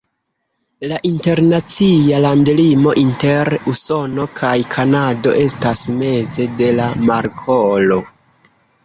La internacia landlimo inter Usono kaj Kanado estas meze de la markolo.